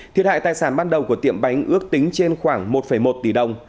thiệt hại tài sản ban đầu của tiệm bánh ước tính trên khoảng một một tỷ đồng